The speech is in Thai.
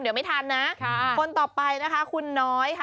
เดี๋ยวไม่ทันนะคนต่อไปนะคะคุณน้อยค่ะ